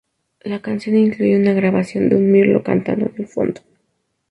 La canción incluye una grabación de un mirlo cantando en el fondo.